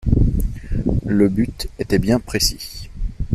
Le but était bien précis.